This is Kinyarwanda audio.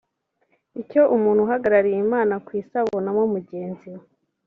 icyo umuntu uhagarariye Imana ku Isi abonamo mugenzi we